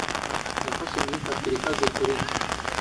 Yafashe imyifatire ikaze kuri njye.